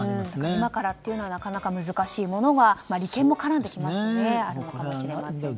今からというのはなかなか難しいものが利権も絡んできますしあるのかもしれませんね。